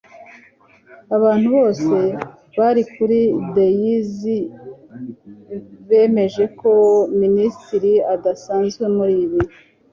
abantu bose bari kuri dais bemeje ko minisitiri adasanzwe muri ibi